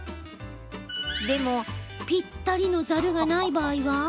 でも、ぴったりのザルがない場合は？